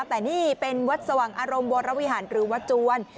แต่นี่เป็นวัดสว่างอารมณ์วรวิหารหรือวัดจวน